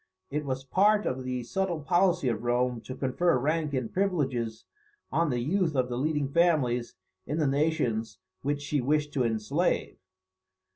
It was part of the subtle policy of Rome to confer rank and privileges on the youth of the leading families in the nations which she wished to enslave.